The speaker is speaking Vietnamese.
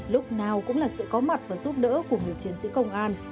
lúc nào cũng là sự có mặt và giúp đỡ của người chiến sĩ công an